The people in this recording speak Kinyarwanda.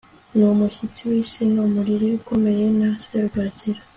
n umushyitsi w isi n umuriri ukomeye na serwakira